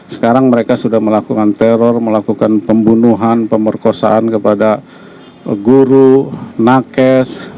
sekarang mereka sudah melakukan teror melakukan pembunuhan pemerkosaan kepada guru nakes